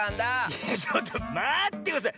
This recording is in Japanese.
いやちょっとまってください！